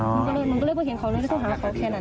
หนูก็เลยเห็นเขาเลยแล้วเขาหาเขาแค่นั้น